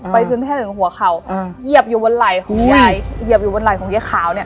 ไปถึงแท่เหล่นหัวเขาอืมเหยียบอยู่บนไหล่ของไอ้เหยียบอยู่บนไหล่ของไอ้ขาวเนี่ย